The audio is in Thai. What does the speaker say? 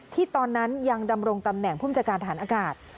ตอนนั้นยังดำรงตำแหน่งผู้บัญชาการฐานอากาศ